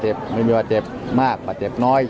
ตราบใดที่ตนยังเป็นนายกอยู่